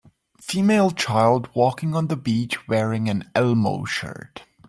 Female child walking on the beach wearing an elmo shirt.